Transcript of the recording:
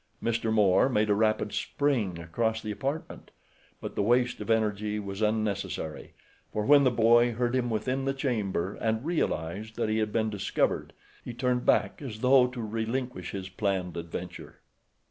Mr. Moore made a rapid spring across the apartment; but the waste of energy was unnecessary, for when the boy heard him within the chamber and realized that he had been discovered he turned back as though to relinquish his planned adventure.